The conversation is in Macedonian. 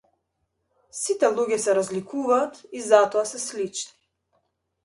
Сите луѓе се разликуваат и затоа се слични.